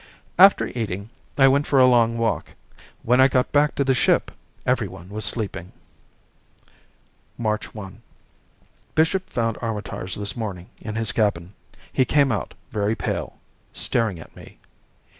After eating, I went for a long walk. When I got back to the ship, everyone was sleeping. March 1 Bishop found Armitage this morning, in his cabin. He came out, very pale, staring at me.